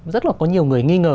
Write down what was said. rất là có nhiều người nghi ngờ